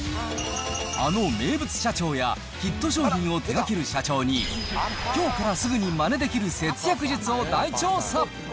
あの名物社長やヒット商品を手がける社長に、きょうからすぐにまねできる節約術を大調査。